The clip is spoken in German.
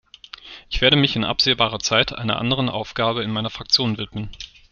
Ich werde mich in absehbarer Zeit einer anderen Aufgabe in meiner Fraktion widmen.